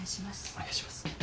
お願いします。